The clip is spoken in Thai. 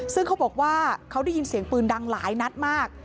ซึ่งเขาบอกว่าเขาได้ยินเสียงปืนดังหลายนัดมาก